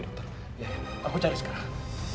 dokter aku cari sekarang